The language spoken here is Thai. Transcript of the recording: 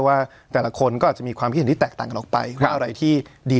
ว่าแต่ละคนก็อาจจะมีความคิดเห็นที่แตกต่างกันออกไปว่าอะไรที่ดี